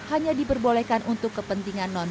hanya diperbolehkan untuk kepentingan non